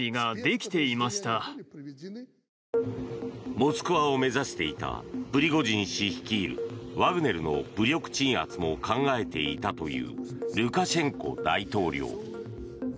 モスクワを目指していたプリゴジン氏率いるワグネルの武力鎮圧も考えていたというルカシェンコ大統領。